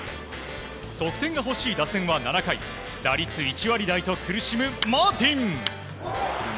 得点が欲しい打線は７回打率１割台と苦しむマーティン。